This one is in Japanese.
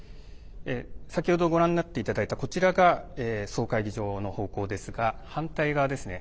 先ほどご覧になっていただいたこちらが総会議場の方向ですが反対側ですね。